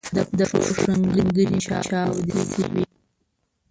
د پښو ښنګري می چاودی شوي